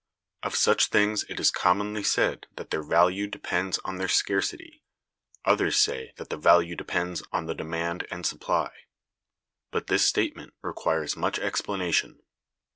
Of such things it is commonly said that their value depends on their scarcity; others say that the value depends on the demand and supply. But this statement requires much explanation.